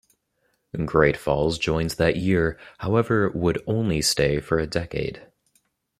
Great Falls joined that year, however would only stay for a decade.